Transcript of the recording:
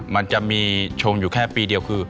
มันจะมีชงอยู่แค่ปีเดียวคือ